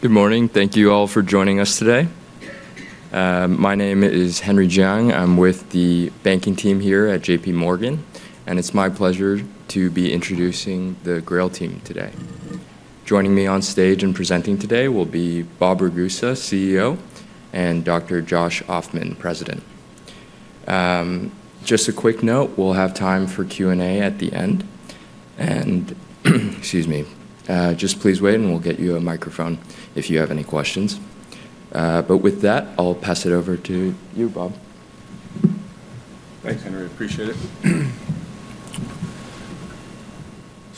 Good morning. Thank you all for joining us today. My name is Henry Jiang. I'm with the banking team here at J.P. Morgan, and it's my pleasure to be introducing the GRAIL team today. Joining me on stage and presenting today will be Bob Ragusa, CEO, and Dr. Josh Ofman, President. Just a quick note, we'll have time for Q&A at the end. And, excuse me, just please wait and we'll get you a microphone if you have any questions. But with that, I'll pass it over to you, Bob. Thanks, Henry. Appreciate it.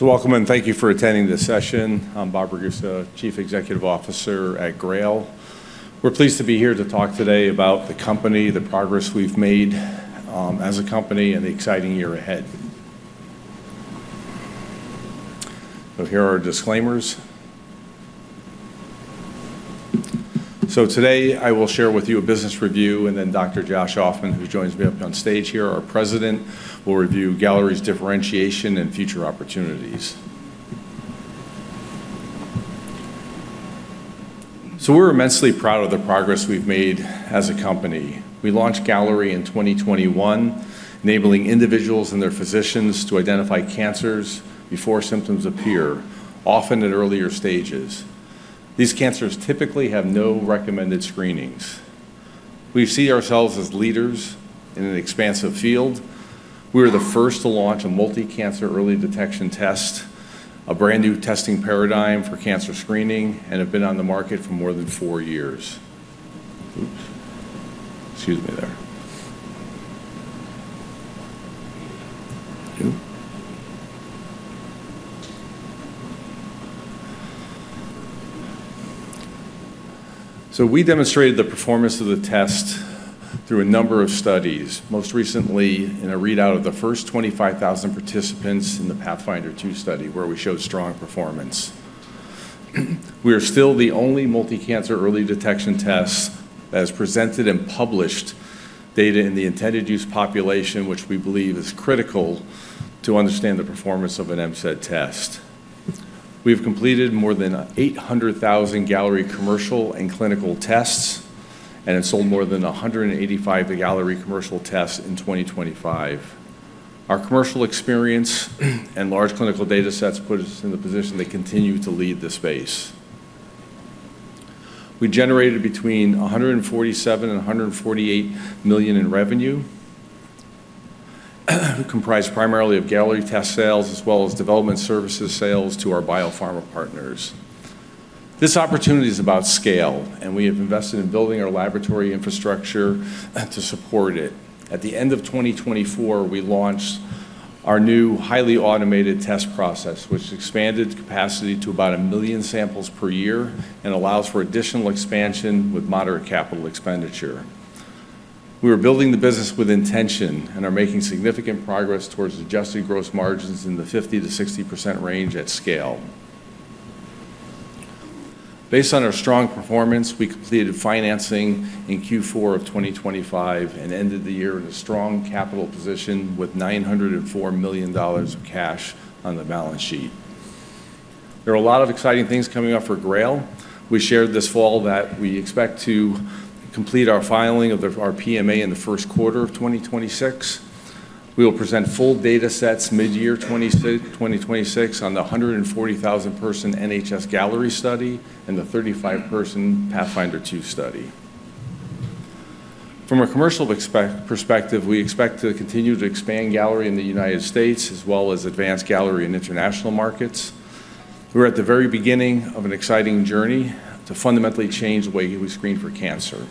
Welcome and thank you for attending this session. I'm Bob Ragusa, Chief Executive Officer at GRAIL. We're pleased to be here to talk today about the company, the progress we've made as a company, and the exciting year ahead. Here are our disclaimers. Today I will share with you a business review, and then Dr. Josh Ofman, who joins me up on stage here, our President, will review Galleri's differentiation and future opportunities. We're immensely proud of the progress we've made as a company. We launched Galleri in 2021, enabling individuals and their physicians to identify cancers before symptoms appear, often at earlier stages. These cancers typically have no recommended screenings. We see ourselves as leaders in an expansive field. We were the first to launch a multi-cancer early detection test, a brand new testing paradigm for cancer screening, and have been on the market for more than four years. Oops. Excuse me there, so we demonstrated the performance of the test through a number of studies, most recently in a readout of the first 25,000 participants in the PATHFINDER 2 study, where we showed strong performance. We are still the only multi-cancer early detection test that has presented and published data in the intended use population, which we believe is critical to understand the performance of an MCED test. We have completed more than 800,000 Galleri commercial and clinical tests and have sold more than 185 Galleri commercial tests in 2025. Our commercial experience and large clinical data sets put us in the position to continue to lead the space. We generated between $147 million and $148 million in revenue, comprised primarily of Galleri test sales as well as development services sales to our biopharma partners. This opportunity is about scale, and we have invested in building our laboratory infrastructure to support it. At the end of 2024, we launched our new highly automated test process, which expanded capacity to about a million samples per year and allows for additional expansion with moderate capital expenditure. We are building the business with intention and are making significant progress towards adjusted gross margins in the 50%-60% range at scale. Based on our strong performance, we completed financing in Q4 of 2025 and ended the year in a strong capital position with $904 million of cash on the balance sheet. There are a lot of exciting things coming up for GRAIL. We shared this fall that we expect to complete our filing of our PMA in the first quarter of 2026. We will present full data sets mid-year 2026 on the 140,000-person NHS-Galleri study and the 35-person PATHFINDER 2 study. From a commercial perspective, we expect to continue to expand Galleri in the United States as well as advance Galleri in international markets. We're at the very beginning of an exciting journey to fundamentally change the way we screen for cancer.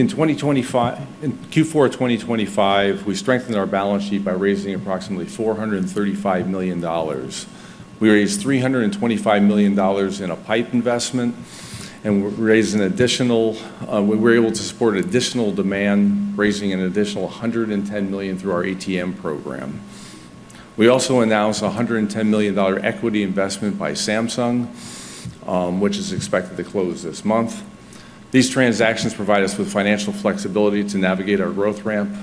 In Q4 of 2025, we strengthened our balance sheet by raising approximately $435 million. We raised $325 million in a PIPE investment, and we were able to support additional demand, raising an additional $110 million through our ATM program. We also announced a $110 million equity investment by Samsung, which is expected to close this month. These transactions provide us with financial flexibility to navigate our growth ramp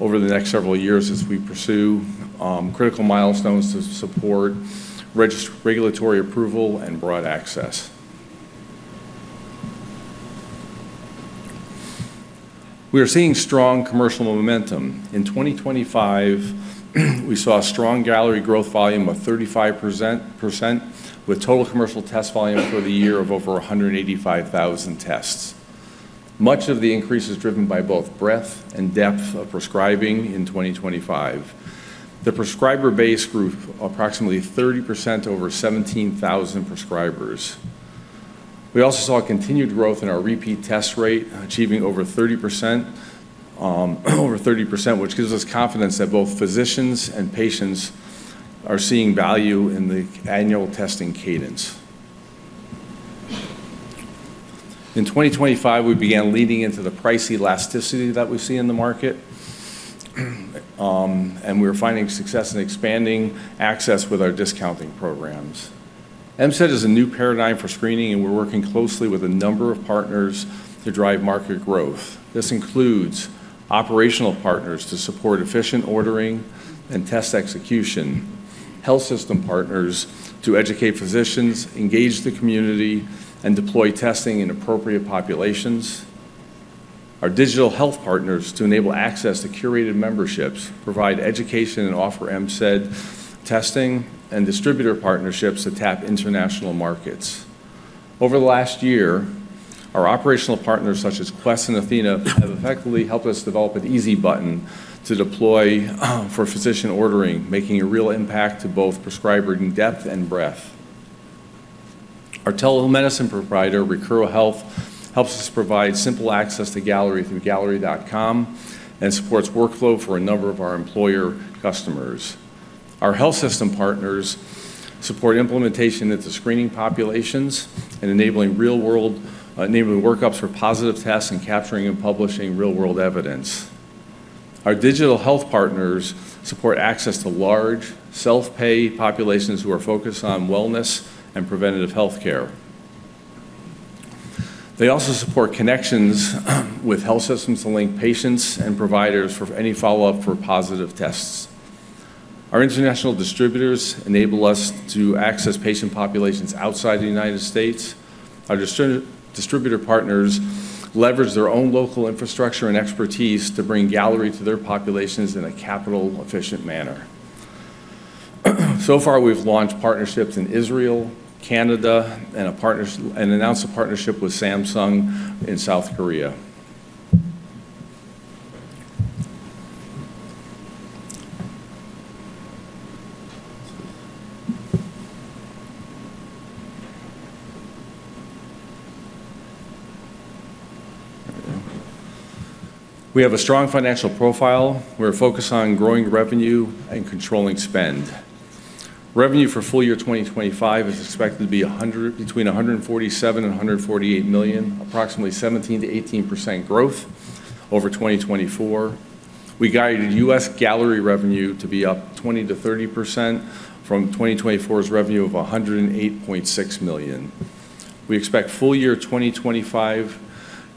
over the next several years as we pursue critical milestones to support regulatory approval and broad access. We are seeing strong commercial momentum. In 2025, we saw strong Galleri growth volume of 35%, with total commercial test volume for the year of over 185,000 tests. Much of the increase is driven by both breadth and depth of prescribing in 2025. The prescriber base grew approximately 30% over 17,000 prescribers. We also saw continued growth in our repeat test rate, achieving over 30%, which gives us confidence that both physicians and patients are seeing value in the annual testing cadence. In 2025, we began leaning into the price elasticity that we see in the market, and we are finding success in expanding access with our discounting programs. MCED is a new paradigm for screening, and we're working closely with a number of partners to drive market growth. This includes operational partners to support efficient ordering and test execution, health system partners to educate physicians, engage the community, and deploy testing in appropriate populations. Our digital health partners to enable access to curated memberships provide education and offer MCED testing and distributor partnerships to tap international markets. Over the last year, our operational partners, such as Quest and Athena, have effectively helped us develop an easy button to deploy for physician ordering, making a real impact to both prescribing depth and breadth. Our telemedicine provider, Recuro Health, helps us provide simple access to Galleri through galleri.com and supports workflow for a number of our employer customers. Our health system partners support implementation into screening populations and enabling real-world workups for positive tests and capturing and publishing real-world evidence. Our digital health partners support access to large, self-pay populations who are focused on wellness and preventive healthcare. They also support connections with health systems to link patients and providers for any follow-up for positive tests. Our international distributors enable us to access patient populations outside the United States. Our distributor partners leverage their own local infrastructure and expertise to bring Galleri to their populations in a capital-efficient manner. So far, we've launched partnerships in Israel, Canada, and announced a partnership with Samsung in South Korea. We have a strong financial profile. We're focused on growing revenue and controlling spend. Revenue for full year 2025 is expected to be between $147 million and $148 million, approximately 17%-18% growth over 2024. We guided U.S. Galleri revenue to be up 20%-30% from 2024's revenue of $108.6 million. We expect full year 2025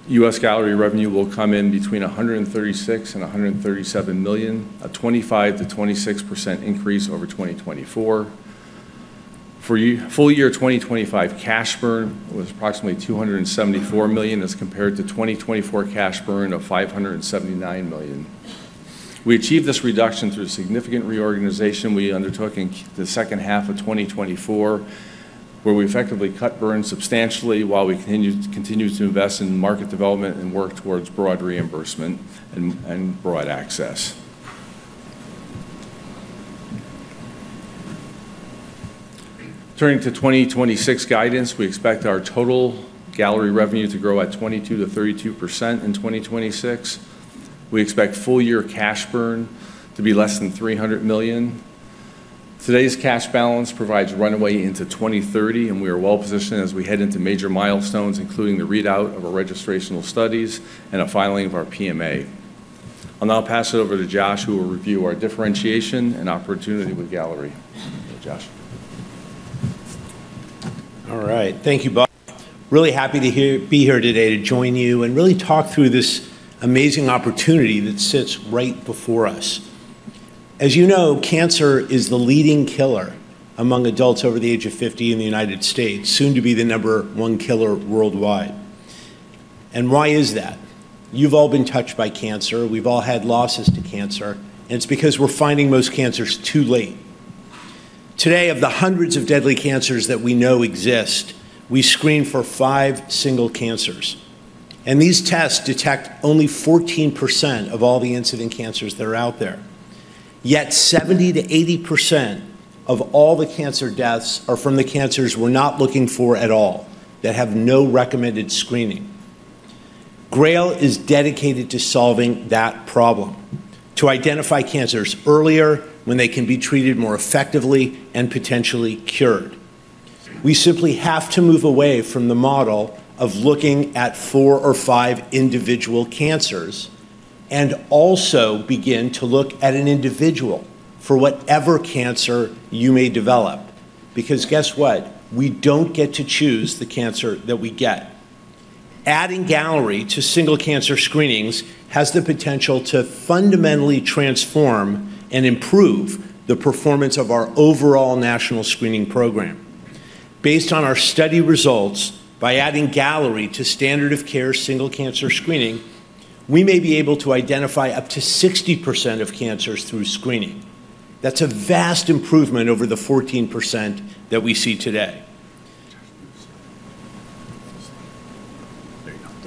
U.S. Galleri revenue will come in between $136 million and $137 million, a 25%-26% increase over 2024. For full year 2025, cash burn was approximately $274 million as compared to 2024 cash burn of $579 million. We achieved this reduction through significant reorganization we undertook in the second half of 2024, where we effectively cut burn substantially while we continued to invest in market development and work towards broad reimbursement and broad access. Turning to 2026 guidance, we expect our total Galleri revenue to grow at 22%-32% in 2026. We expect full year cash burn to be less than $300 million. Today's cash balance provides runway into 2030, and we are well positioned as we head into major milestones, including the readout of our registrational studies and a filing of our PMA. I'll now pass it over to Josh, who will review our differentiation and opportunity with Galleri. Josh. All right. Thank you. Really happy to be here today to join you and really talk through this amazing opportunity that sits right before us. As you know, cancer is the leading killer among adults over the age of 50 in the United States, soon to be the number one killer worldwide. And why is that? You've all been touched by cancer. We've all had losses to cancer, and it's because we're finding most cancers too late. Today, of the hundreds of deadly cancers that we know exist, we screen for five single cancers. And these tests detect only 14% of all the incident cancers that are out there. Yet 70%-80% of all the cancer deaths are from the cancers we're not looking for at all, that have no recommended screening. GRAIL is dedicated to solving that problem, to identify cancers earlier when they can be treated more effectively and potentially cured. We simply have to move away from the model of looking at four or five individual cancers and also begin to look at an individual for whatever cancer you may develop. Because guess what? We don't get to choose the cancer that we get. Adding Galleri to single cancer screenings has the potential to fundamentally transform and improve the performance of our overall national screening program. Based on our study results, by adding Galleri to standard-of-care single cancer screening, we may be able to identify up to 60% of cancers through screening. That's a vast improvement over the 14% that we see today.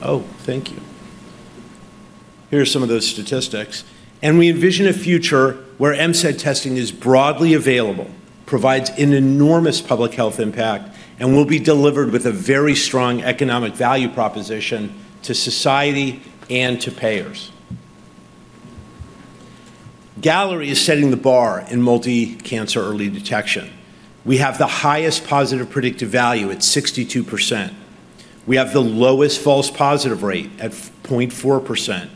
Oh, thank you. Here are some of those statistics. We envision a future where MCED testing is broadly available, provides an enormous public health impact, and will be delivered with a very strong economic value proposition to society and to payers. Galleri is setting the bar in multi-cancer early detection. We have the highest positive predictive value at 62%. We have the lowest false positive rate at 0.4%.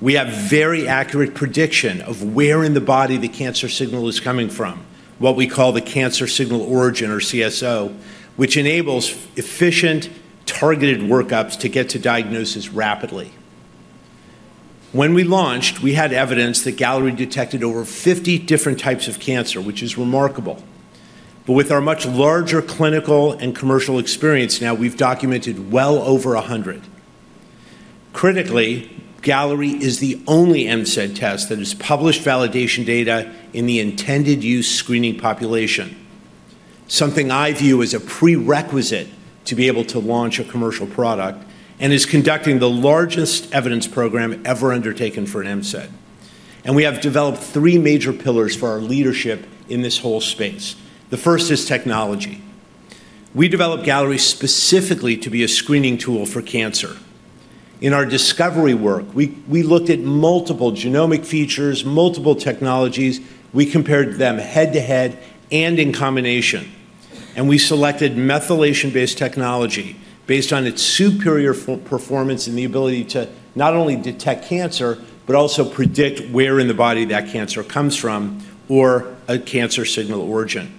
We have very accurate prediction of where in the body the cancer signal is coming from, what we call the cancer signal origin or CSO, which enables efficient, targeted workups to get to diagnosis rapidly. When we launched, we had evidence that Galleri detected over 50 different types of cancer, which is remarkable. With our much larger clinical and commercial experience now, we've documented well over 100. Critically, Galleri is the only MCED test that has published validation data in the intended use screening population, something I view as a prerequisite to be able to launch a commercial product and is conducting the largest evidence program ever undertaken for an MCED. We have developed three major pillars for our leadership in this whole space. The first is technology. We developed Galleri specifically to be a screening tool for cancer. In our discovery work, we looked at multiple genomic features, multiple technologies. We compared them head-to-head and in combination. We selected methylation-based technology based on its superior performance in the ability to not only detect cancer, but also predict where in the body that cancer comes from or a cancer signal origin.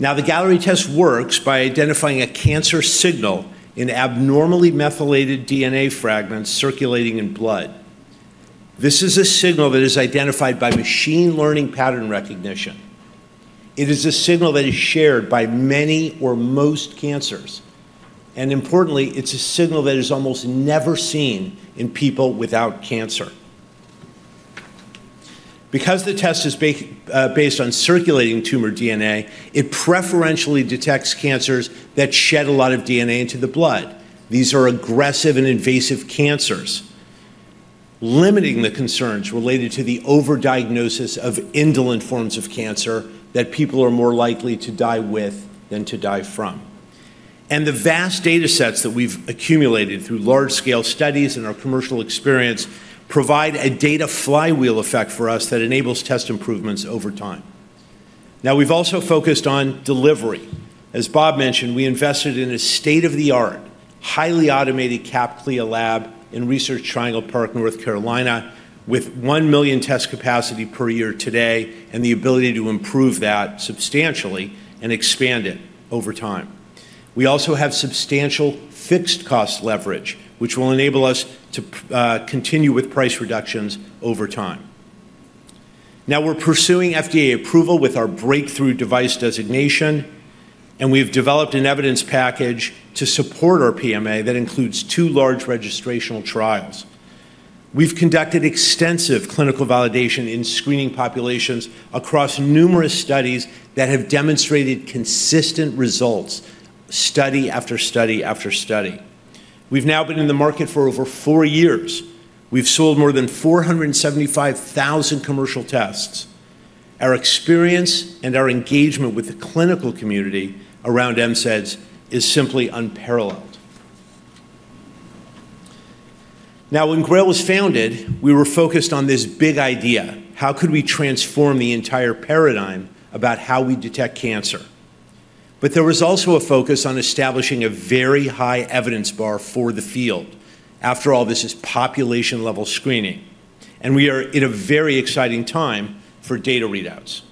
Now, the Galleri test works by identifying a cancer signal in abnormally methylated DNA fragments circulating in blood. This is a signal that is identified by machine learning pattern recognition. It is a signal that is shared by many or most cancers. And importantly, it's a signal that is almost never seen in people without cancer. Because the test is based on circulating tumor DNA, it preferentially detects cancers that shed a lot of DNA into the blood. These are aggressive and invasive cancers, limiting the concerns related to the overdiagnosis of indolent forms of cancer that people are more likely to die with than to die from. And the vast data sets that we've accumulated through large-scale studies and our commercial experience provide a data flywheel effect for us that enables test improvements over time. Now, we've also focused on delivery. As Bob mentioned, we invested in a state-of-the-art, highly automated CAP/CLIA lab in Research Triangle Park, North Carolina, with one million test capacity per year today and the ability to improve that substantially and expand it over time. We also have substantial fixed cost leverage, which will enable us to continue with price reductions over time. Now, we're pursuing FDA approval with our breakthrough device designation, and we have developed an evidence package to support our PMA that includes two large registrational trials. We've conducted extensive clinical validation in screening populations across numerous studies that have demonstrated consistent results, study after study after study. We've now been in the market for over four years. We've sold more than 475,000 commercial tests. Our experience and our engagement with the clinical community around MCEDs is simply unparalleled. Now, when GRAIL was founded, we were focused on this big idea: how could we transform the entire paradigm about how we detect cancer, but there was also a focus on establishing a very high evidence bar for the field. After all, this is population-level screening, and we are in a very exciting time for data readouts.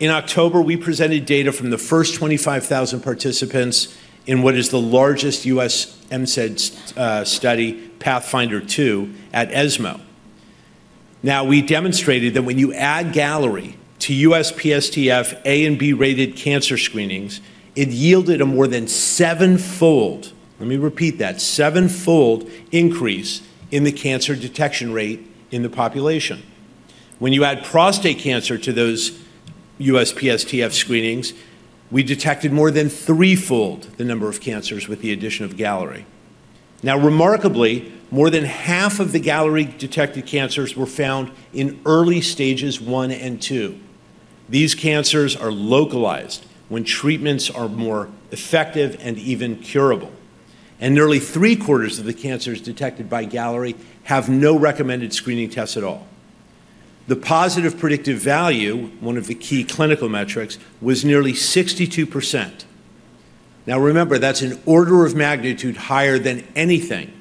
In October, we presented data from the first 25,000 participants in what is the largest U.S. MCED study, PATHFINDER 2, at ESMO. Now, we demonstrated that when you add Galleri to U.S. USPSTF A and B-rated cancer screenings, it yielded a more than seven-fold, let me repeat that, seven-fold increase in the cancer detection rate in the population. When you add prostate cancer to those U.S. USPSTF screenings, we detected more than three-fold the number of cancers with the addition of Galleri. Now, remarkably, more than half of the Galleri-detected cancers were found in early stages one and two. These cancers are localized when treatments are more effective and even curable. Nearly three-quarters of the cancers detected by Galleri have no recommended screening tests at all. The positive predictive value, one of the key clinical metrics, was nearly 62%. Now, remember, that's an order of magnitude higher than anything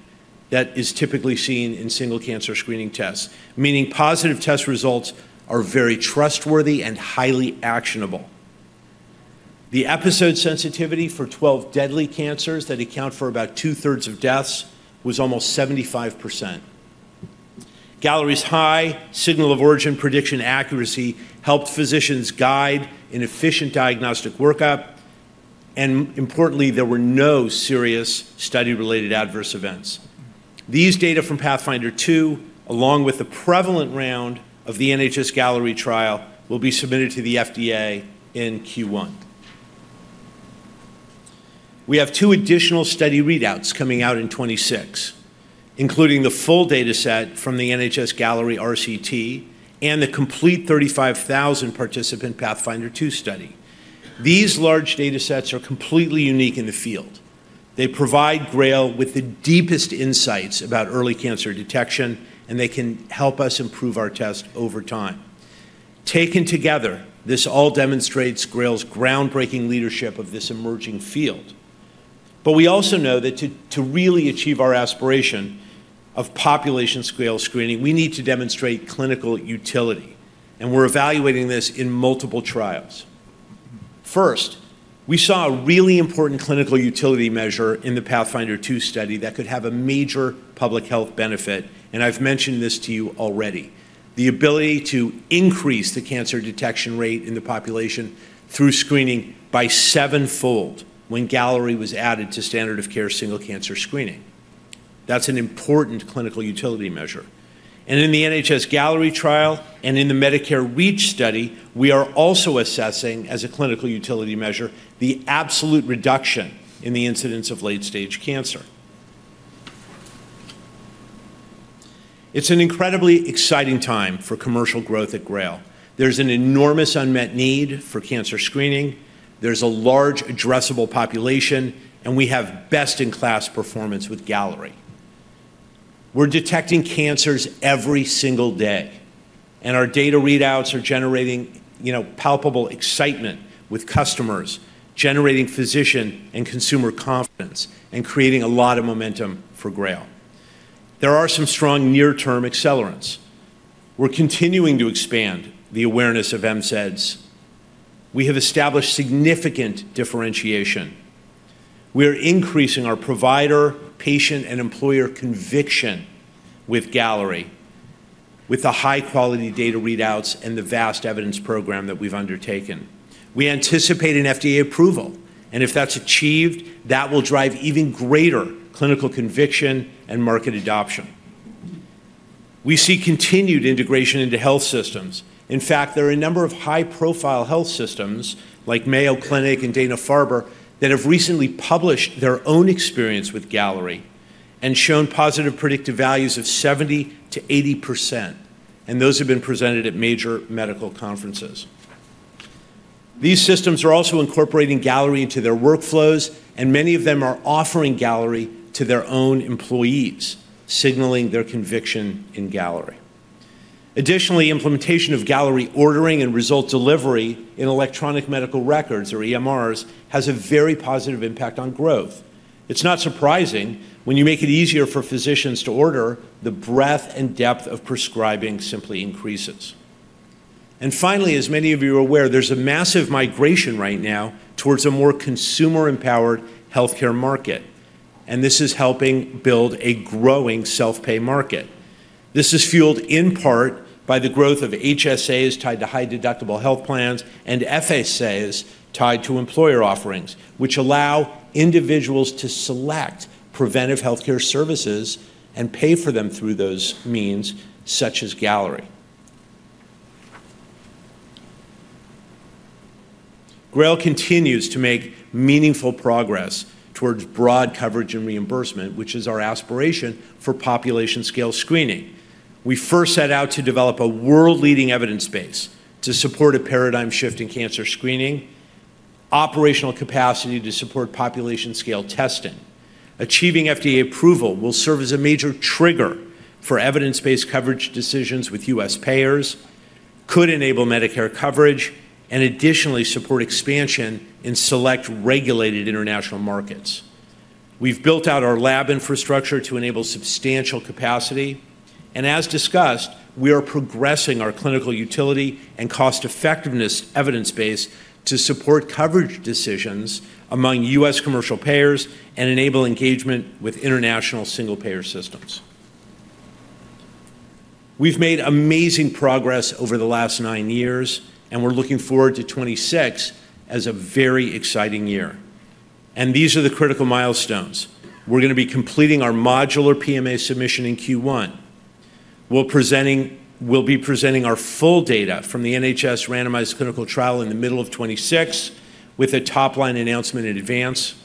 that is typically seen in single cancer screening tests, meaning positive test results are very trustworthy and highly actionable. The episode sensitivity for 12 deadly cancers that account for about two-thirds of deaths was almost 75%. Galleri's high signal-of-origin prediction accuracy helped physicians guide an efficient diagnostic workup. Importantly, there were no serious study-related adverse events. These data from PATHFINDER 2, along with the prevalence round of the NHS-Galleri trial, will be submitted to the FDA in Q1. We have two additional study readouts coming out in 2026, including the full data set from the NHS-Galleri RCT and the complete 35,000-participant Pathfinder II study. These large data sets are completely unique in the field. They provide GRAIL with the deepest insights about early cancer detection, and they can help us improve our test over time. Taken together, this all demonstrates GRAIL's groundbreaking leadership of this emerging field. But we also know that to really achieve our aspiration of population-scale screening, we need to demonstrate clinical utility. And we're evaluating this in multiple trials. First, we saw a really important clinical utility measure in the Pathfinder II study that could have a major public health benefit. And I've mentioned this to you already: the ability to increase the cancer detection rate in the population through screening by seven-fold when Galleri was added to standard-of-care single cancer screening. That's an important clinical utility measure. In the NHS-Galleri trial and in the Medicare REACH study, we are also assessing, as a clinical utility measure, the absolute reduction in the incidence of late-stage cancer. It's an incredibly exciting time for commercial growth at GRAIL. There's an enormous unmet need for cancer screening. There's a large addressable population, and we have best-in-class performance with Galleri. We're detecting cancers every single day. Our data readouts are generating palpable excitement with customers, generating physician and consumer confidence, and creating a lot of momentum for GRAIL. There are some strong near-term accelerants. We're continuing to expand the awareness of MCEDs. We have established significant differentiation. We are increasing our provider, patient, and employer conviction with Galleri, with the high-quality data readouts and the vast evidence program that we've undertaken. We anticipate an FDA approval. If that's achieved, that will drive even greater clinical conviction and market adoption. We see continued integration into health systems. In fact, there are a number of high-profile health systems, like Mayo Clinic and Dana-Farber, that have recently published their own experience with Galleri and shown positive predictive values of 70%-80%. Those have been presented at major medical conferences. These systems are also incorporating Galleri into their workflows, and many of them are offering Galleri to their own employees, signaling their conviction in Galleri. Additionally, implementation of Galleri ordering and result delivery in electronic medical records, or EMRs, has a very positive impact on growth. It's not surprising when you make it easier for physicians to order. The breadth and depth of prescribing simply increases. Finally, as many of you are aware, there's a massive migration right now towards a more consumer-empowered healthcare market. This is helping build a growing self-pay market. This is fueled in part by the growth of HSAs tied to high-deductible health plans and FSAs tied to employer offerings, which allow individuals to select preventive healthcare services and pay for them through those means, such as Galleri. GRAIL continues to make meaningful progress towards broad coverage and reimbursement, which is our aspiration for population-scale screening. We first set out to develop a world-leading evidence base to support a paradigm shift in cancer screening, operational capacity to support population-scale testing. Achieving FDA approval will serve as a major trigger for evidence-based coverage decisions with U.S. commercial payers, could enable Medicare coverage, and additionally support expansion in select regulated international markets. We've built out our lab infrastructure to enable substantial capacity. As discussed, we are progressing our clinical utility and cost-effectiveness evidence base to support coverage decisions among U.S. Commercial payers and enable engagement with international single payer systems. We've made amazing progress over the last nine years, and we're looking forward to 2026 as a very exciting year. And these are the critical milestones. We're going to be completing our modular PMA submission in Q1. We'll be presenting our full data from the NHS randomized clinical trial in the middle of 2026 with a top-line announcement in advance.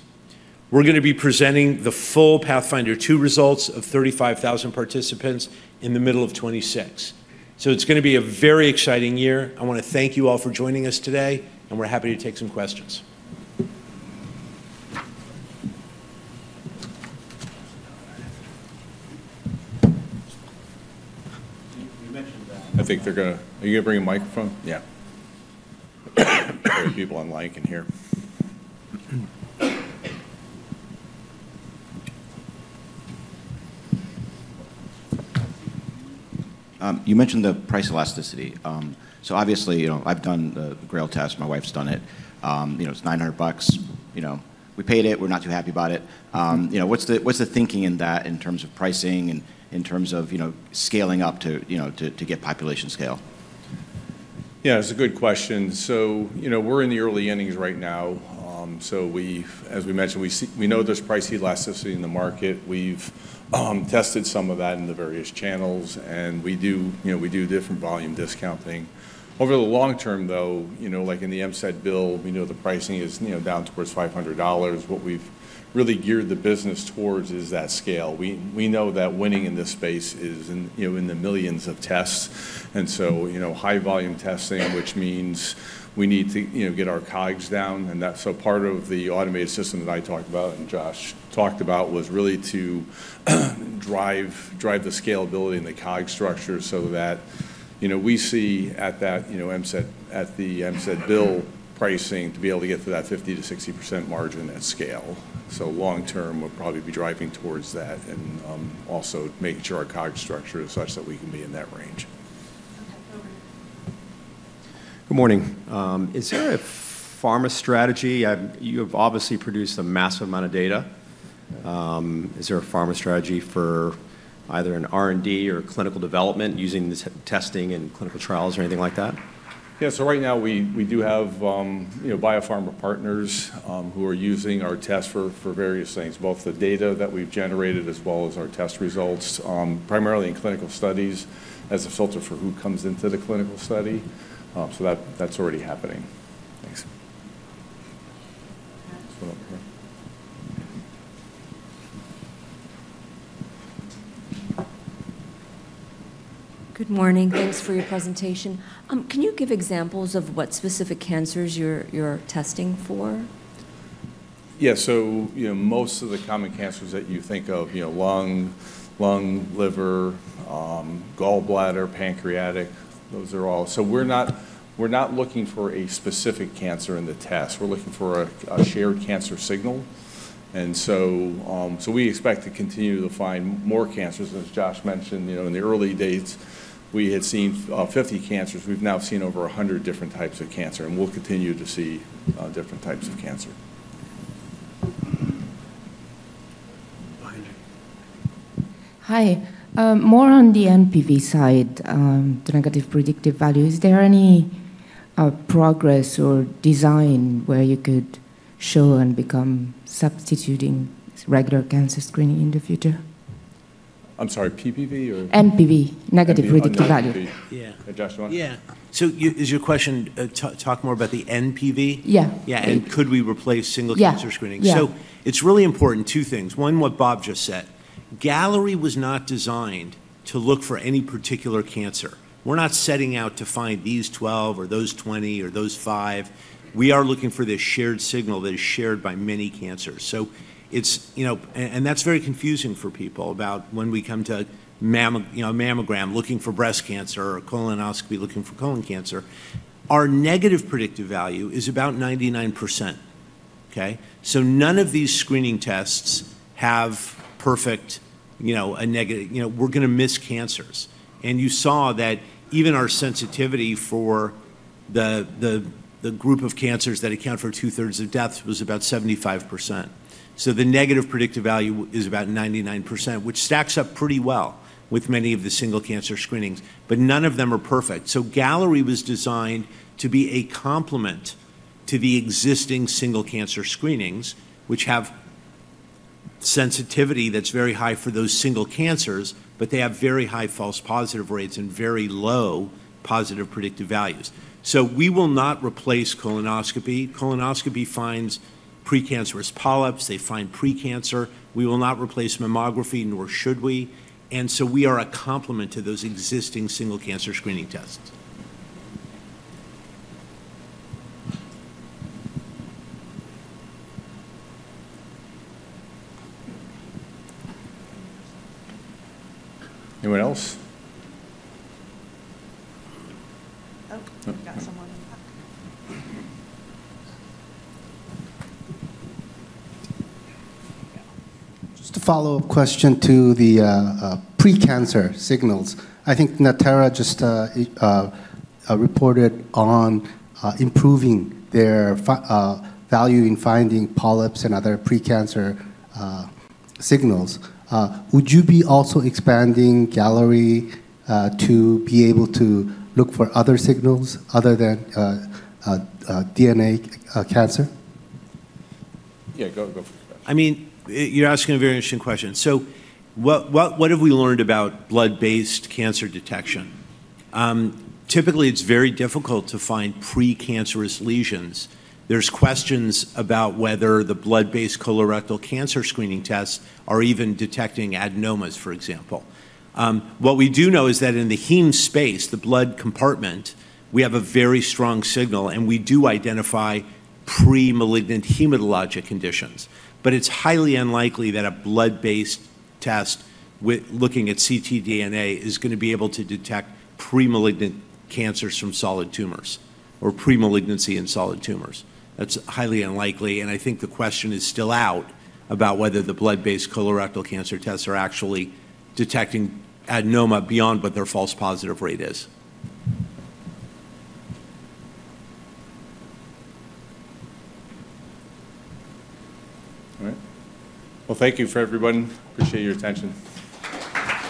We're going to be presenting the full PATHFINDER 2 results of 35,000 participants in the middle of 2026. So it's going to be a very exciting year. I want to thank you all for joining us today, and we're happy to take some questions. You mentioned that. I think they're going to—are you going to bring a microphone? Yeah. There are people online can hear. You mentioned the price elasticity. So obviously, I've done the GRAIL test. My wife's done it. It's $900. We paid it. We're not too happy about it. What's the thinking in that in terms of pricing and in terms of scaling up to get population scale? Yeah, it's a good question. So we're in the early innings right now. So as we mentioned, we know there's price elasticity in the market. We've tested some of that in the various channels, and we do different volume discounting. Over the long term, though, like in the MCED space, we know the pricing is down towards $500. What we've really geared the business towards is that scale. We know that winning in this space is in the millions of tests. And so high-volume testing, which means we need to get our COGS down. And so part of the automated system that I talked about and Josh talked about was really to drive the scalability and the COGS structure so that we see at the MCED bill pricing to be able to get to that 50%-60% margin at scale. So long term, we'll probably be driving towards that and also making sure our COGS structure is such that we can be in that range. Good morning. Is there a pharma strategy? You have obviously produced a massive amount of data. Is there a pharma strategy for either an R&D or clinical development using this testing and clinical trials or anything like that? Yeah. So right now, we do have biopharma partners who are using our tests for various things, both the data that we've generated as well as our test results, primarily in clinical studies, as a filter for who comes into the clinical study. So that's already happening. Thanks. Good morning. Thanks for your presentation. Can you give examples of what specific cancers you're testing for? Yeah. So most of the common cancers that you think of, lung, liver, gallbladder, pancreatic, those are all. So we're not looking for a specific cancer in the test. We're looking for a shared cancer signal. And so we expect to continue to find more cancers. As Josh mentioned, in the early days, we had seen 50 cancers. We've now seen over 100 different types of cancer. And we'll continue to see different types of cancer. Hi. More on the NPV side, the negative predictive value. Is there any progress or design where you could show and become substituting regular cancer screening in the future? I'm sorry, PPV or? NPV, negative predictive value. Yeah. Joshua? Yeah. So is your question talk more about the NPV? Yeah. Yeah. And could we replace single cancer screening? So it's really important two things. One, what Bob just said. Galleri was not designed to look for any particular cancer. We're not setting out to find these 12 or those 20 or those five. We are looking for this shared signal that is shared by many cancers. And that's very confusing for people about when we come to a mammogram looking for breast cancer or a colonoscopy looking for colon cancer. Our negative predictive value is about 99%. Okay? So none of these screening tests have perfect, we're going to miss cancers. You saw that even our sensitivity for the group of cancers that account for two-thirds of deaths was about 75%. The negative predictive value is about 99%, which stacks up pretty well with many of the single cancer screenings. None of them are perfect. Galleri was designed to be a complement to the existing single cancer screenings, which have sensitivity that's very high for those single cancers, but they have very high false positive rates and very low positive predictive values. We will not replace colonoscopy. Colonoscopy finds precancerous polyps. They find precancer. We will not replace mammography, nor should we. We are a complement to those existing single cancer screening tests. Anyone else? Oh, we got someone. Just a follow-up question to the precancer signals. I think Natera just reported on improving their value in finding polyps and other precancer signals. Would you be also expanding Galleri to be able to look for other signals other than DNA cancer? Yeah, go for it. I mean, you're asking a very interesting question. So what have we learned about blood-based cancer detection? Typically, it's very difficult to find precancerous lesions. There's questions about whether the blood-based colorectal cancer screening tests are even detecting adenomas, for example. What we do know is that in the heme space, the blood compartment, we have a very strong signal, and we do identify premalignant hematologic conditions. But it's highly unlikely that a blood-based test looking at ctDNA is going to be able to detect premalignant cancers from solid tumors or premalignancy in solid tumors. That's highly unlikely. And I think the question is still out about whether the blood-based colorectal cancer tests are actually detecting adenoma beyond what their false positive rate is. All right. Thank you, everyone. Appreciate your attention.